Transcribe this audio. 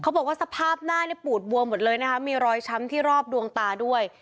สภาพหน้านี่ปูดบวมหมดเลยนะคะมีรอยช้ำที่รอบดวงตาด้วย